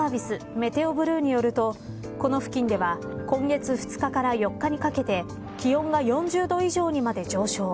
メテオブルーによるとこの付近では今月２日から４日にかけて気温が４０度以上にまで上昇。